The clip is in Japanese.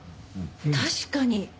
確かに。